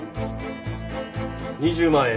２０万円。